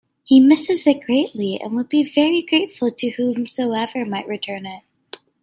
He misses it greatly and would be very grateful to whomsoever might return it.